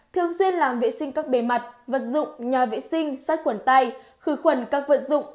thường xuyên làm vệ sinh các bề mặt vật dụng nhà vệ sinh sát quần tay khử khuẩn các vật dụng